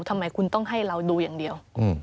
ทำไมคุณต้องให้เราดูอย่างเดียว